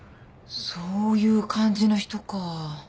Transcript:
そういう感じの人か。